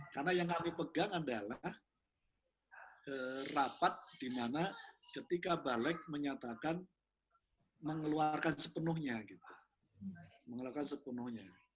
karena yang kami pegang adalah rapat di mana ketika balik menyatakan mengeluarkan sepenuhnya